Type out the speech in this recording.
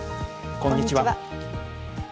こんにちは。